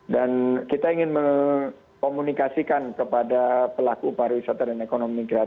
dan kita ingin memkomunikasikan kepada pelaku pariwisata